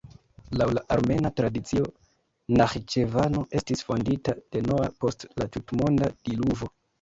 Laŭ la armena tradicio, Naĥiĉevano estis fondita de Noa post la tutmonda diluvo.